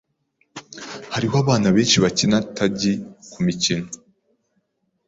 Hariho abana benshi bakina tagi kumikino.